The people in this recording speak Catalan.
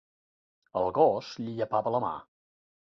El gos li llepava la mà.